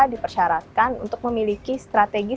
dipersyaratkan untuk memiliki strategi